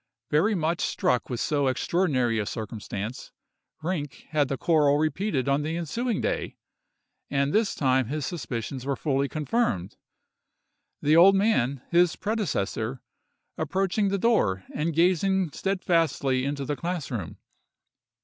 Very much struck with so extraordinary a circumstance, Rinck had the choral repeated on the ensuing day,—and this time his suspicions were fully confirmed; the old man, his predecessor, approaching the door, and gazing steadfastly into the class room.